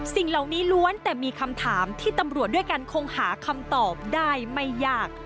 สิ่งเหล่านี้ล้วนแต่มีคำถามที่ตำรวจด้วยกันคงหาคำตอบได้ไม่ยาก